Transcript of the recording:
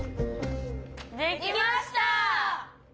できました！